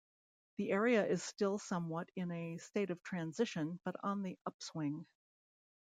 The area is still somewhat in a state of transition, but on the upswing.